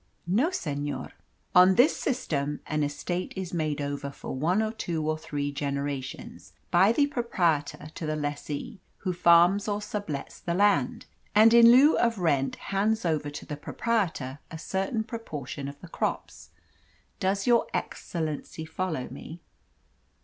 "No, senor." "On this system an estate is made over for one or two or three generations by the proprietor to the lessee who farms or sublets the land, and in lieu of rent hands over to the proprietor a certain proportion of the crops. Does your excellency follow me?"